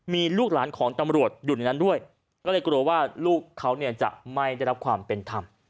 มีลูกหลานของตำรวจอยู่ในนั้นด้วยก็เลยกลัวว่าลูกเขาเนี่ยจะไม่ได้รับความเป็นธรรม